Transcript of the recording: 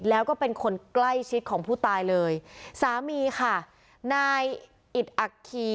แล้วก็เป็นคนใกล้ชิดของผู้ตายเลยสามีค่ะนายอิดอัคคี